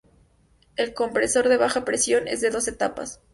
El compresor de baja presión es de dos etapas.